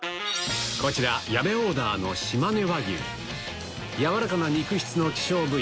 こちら矢部オーダーの軟らかな肉質の希少部位